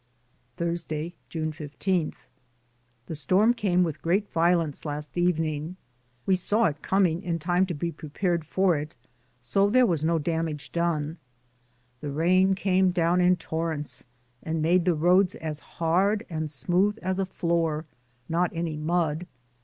Thursday, June 15. The storm came with great violence last evening ; we saw it coming in time to be pre pared for it, so there was no damage done. The rain came down in torrents, and made the roads as hard and smooth as a floor, not any mud.